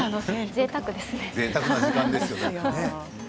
ぜいたくな時間ですね。